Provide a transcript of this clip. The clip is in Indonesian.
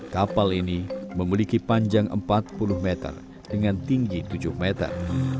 kapal ini memiliki panjang empat puluh meter dengan tinggi tujuh meter